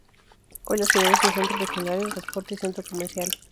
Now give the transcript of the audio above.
Hoy la ciudad es un centro regional de transporte y centro comercial.